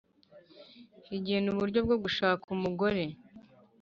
rigena uburyo bwo gushaka umugore